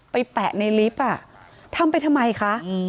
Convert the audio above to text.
แปะในลิฟต์ทำไปทำไมคะ